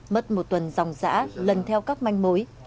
mất một tuần dòng giã lần theo các manh mối